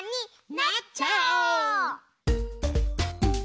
なっちゃおう！